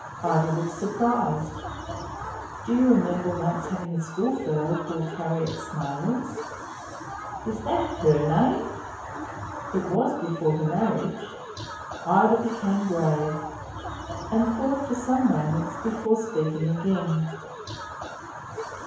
Ida looked surprised. "Do you remember once having a schoolfellow called Harriet Smales?" "Is that her name?" "It was, before her marriage." Ida became grave, and thought for some moments before speaking again.